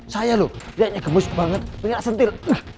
saya loh liatnya gemus banget pengen asentir